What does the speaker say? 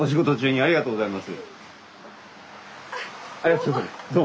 ありがとうございます。